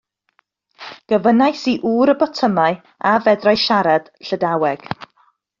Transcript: Gofynnais i ŵr y botymau a fedrai siarad Llydaweg.